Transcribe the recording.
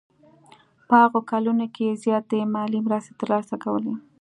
په هغو کلونو کې یې زیاتې مالي مرستې ترلاسه کولې.